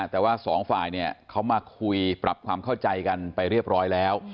แต่ว่าสองฝ่ายเนี่ยเขามาคุยปรับความเข้าใจกันไปเรียบร้อยแล้ว